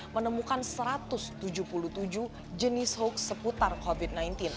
menemukan satu ratus tujuh puluh tujuh jenis hoax seputar covid sembilan belas